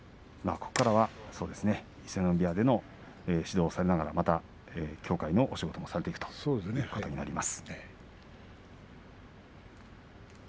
ここからは伊勢ノ海部屋での指導をしながら協会の仕事もされていくことになります。